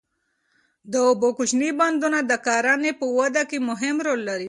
د اوبو کوچني بندونه د کرنې په وده کې مهم رول لري.